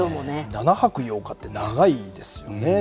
７泊８日って長いですよね。